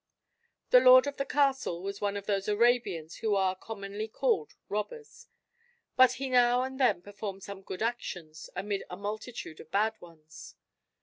The lord of the castle was one of those Arabians who are commonly called robbers; but he now and then performed some good actions amid a multitude of bad ones.